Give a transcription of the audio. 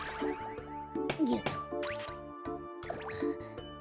よっと。